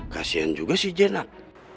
kasian juga si jenat